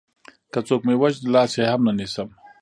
که څوک مې وژني لاس يې هم نه نيسم